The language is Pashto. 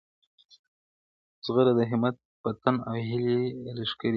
زغره د همت په تن او هیلي یې لښکري دي,